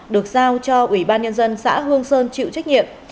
được giao cho ủy ban nhân dân xã hương sơn chịu trách nhiệm